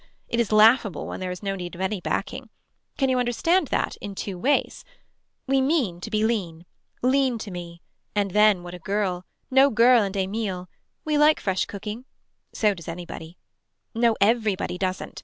It is laughable when there is no need of any backing. Can you understand that in two ways. We mean to be lean. Lean to me. And then what a girl. No girl and Emil. We like fresh cooking. So does anybody. No everybody doesn't.